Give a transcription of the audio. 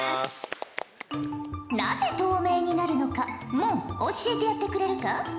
なぜ透明になるのか問教えてやってくれるか。